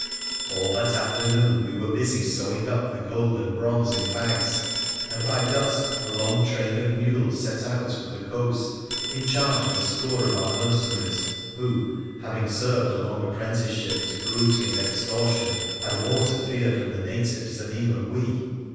All that afternoon we were busy sewing up the gold and bronze in bags, and by dusk a long train of mules set out for the coast, in charge of a score of our mercenaries, whc, having served a long apprenticeship to cruelty and extortion, had more to fear from the natives than even we.